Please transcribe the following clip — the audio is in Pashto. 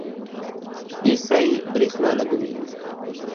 ایسی برښنا لګوي